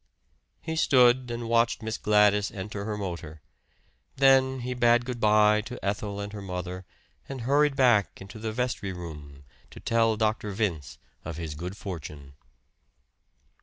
He stood and watched Miss Gladys enter her motor. Then he bade good by to Ethel and her mother, and hurried back into the vestry room to tell Dr. Vince of his good fortune.